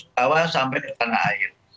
bawa sampai ke tanah air